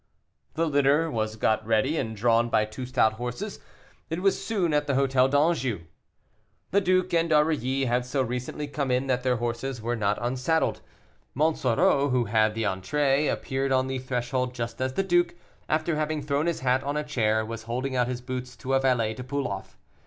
The litter was got ready, and, drawn by two stout horses, it was soon at the Hôtel d'Anjou. The duke and Aurilly had so recently come in that their horses were not unsaddled. Monsoreau, who had the entree, appeared on the threshold just as the duke, after having thrown his hat on a chair, was holding out his boots to a valet to pull off.